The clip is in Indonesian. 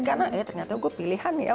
karena ya ternyata gue pilihan ya